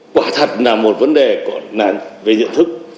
quả thật là một vấn đề về dự thức